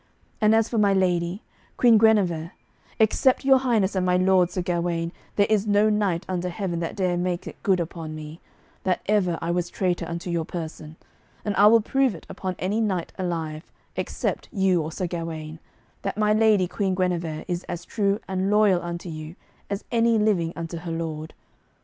And as for my lady, Queen Guenever, except your highness and my lord Sir Gawaine, there is no knight under heaven that dare make it good upon me, that ever I was traitor unto your person, and I will prove it upon any knight alive, except you and Sir Gawaine, that my lady Queen Guenever is as true and loyal unto you as any living unto her lord.